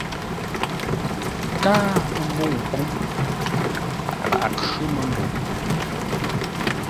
Káa məmbəu póŋ, paghʼə khʉ́ məmbəu.